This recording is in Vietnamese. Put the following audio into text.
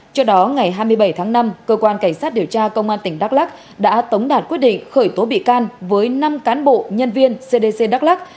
trước đó ngày hai mươi bảy tháng năm cơ quan cảnh sát điều tra công an tỉnh đắk lắc đã tống đạt quyết định khởi tố bị can với năm cán bộ nhân viên cdc đắk lắc